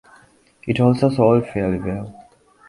It also sold fairly well.